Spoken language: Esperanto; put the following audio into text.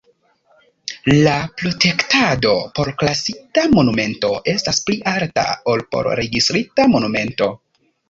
La protektado por klasita monumento estas pli alta ol por registrita monumento.